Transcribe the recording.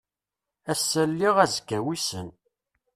Ass-a lliɣ azekka wissen.